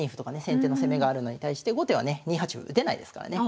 先手の攻めがあるのに対して後手はね２八歩打てないですからね。